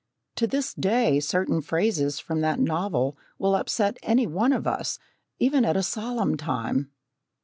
To this day, certain phrases from that novel will upset any one of us, even at a solemn time.